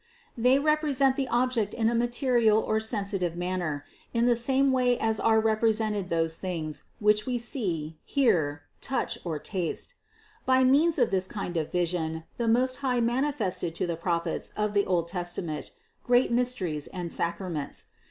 They represent the object in a material or sensitive man ner, in the same way as are represented those things we see, hear, touch or taste. By means of this kind of vision the Most High manifested to the Prophets of the old Tes tament great mysteries and sacraments.